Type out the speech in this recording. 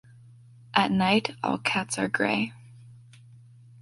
At night all cats are grey.